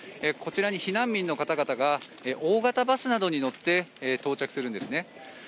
こちらに避難民の方々が大型バスなどに乗って到着するんですね。